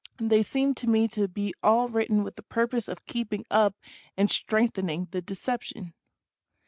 They seem to me to be all written with the purpose of keeping up and strengthen ing the deception.